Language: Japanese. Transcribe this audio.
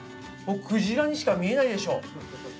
クジラにしか見えないでしょ！